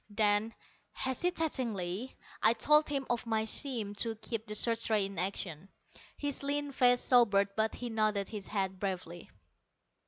Then, hesitatingly, I told him of my scheme to keep the search rays in action. His lean face sobered, but he nodded his head bravely.